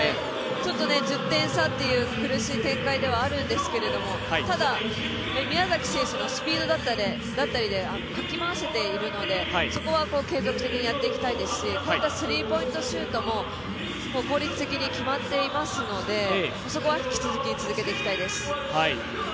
ちょっと１０点差という苦しい展開ではあるんですけれども、ただ宮崎選手のスピードだったりでかき回せているので、そこは継続的にやっていきたいですしスリーポイントシュートも効率的に決まっていますのでそこは引き続き続けていきたいです。